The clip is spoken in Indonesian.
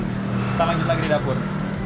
kita lanjut lagi di dapur